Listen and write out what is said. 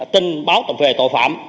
tin báo tội phạm